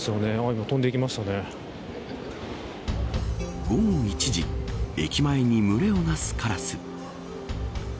今午後１時駅前に群れをなすカラス。